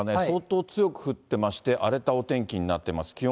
相当強く降ってまして、荒れたお天気になってます。